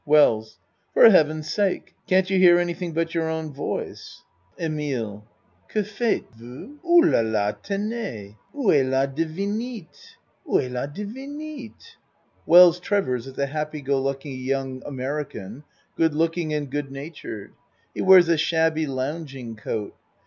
WELLS For heaven's sake, can't you hear any thing but your own voice. EMILE Que faites vous? Oh, la, la, Tenez! Ou est las divinite? Ou est la Divinite? (Wells Trevors is a happy go lucky young Amer ican, good looking and goodnatured. He wears a shabby lounging coat.